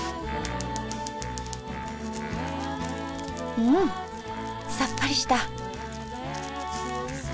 うんさっぱりした。